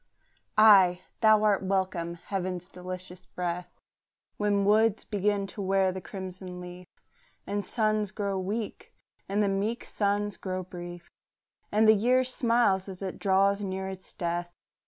Ay, thou art welcome, heaven's delicious breath, When woods begin to wear the crimson leaf, And suns grow meek, and the meek suns grow brief, And the year smiles as it draws near its death.